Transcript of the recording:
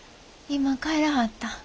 今帰らはった。